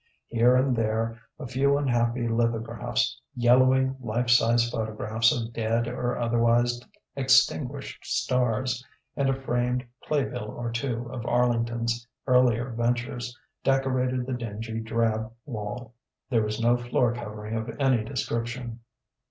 Here and there a few unhappy lithographs, yellowing "life size" photographs of dead or otherwise extinguished stars, and a framed play bill or two of Arlington's earlier ventures, decorated the dingy drab wall. There was no floor covering of any description.